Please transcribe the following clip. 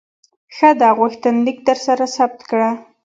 ښه ده، غوښتنلیک درسره ثبت کړه.